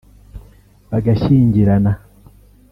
bagashyingirana